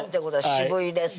渋いです